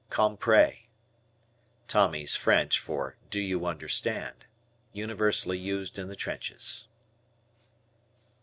"Compray." Tommy's French for "Do you understand?" Universally used in the trenches.